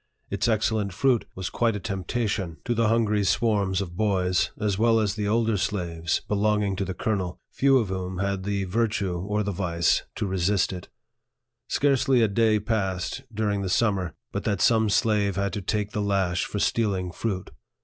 Its excellent fruit was quite a temptation to the hungry 16 NARRATIVE OF THE swarms of boys, as well as the older slaves, belonging to the colonel, few of whom had the virtue or the vice to resist it. Scarcely a day passed, during the summer, but that some slave had to take the lash for stealing fruit.